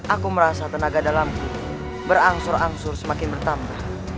aku merasa tenaga dalamku berangsur angsur semakin bertambah